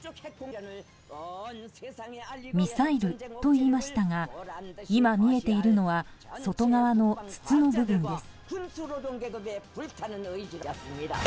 ミサイルと言いましたが今、見えているのは外側の筒の部分です。